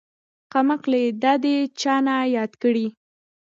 کمقلې دادې چانه ياد کړي.